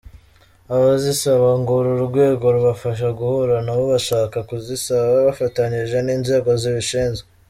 Abazisaba ngo uru rwego rubafasha guhura n’abo bashaka kuzisaba bafatanyije n’inzego zibishinzwe.